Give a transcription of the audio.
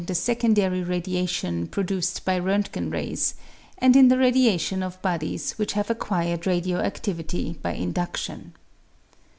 the secondary radiation produced by Rontgen rays, and in the radiation of bodies which have acquired radio adtivity by indutftion.